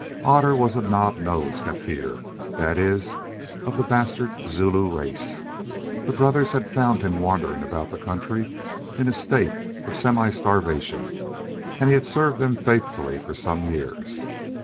Otter was a knob nosed Kaffir, that is of the Bastard Zulu race. The brothers had found him wandering about the country in a state of semi starvation, and he had served them faithfully for some years.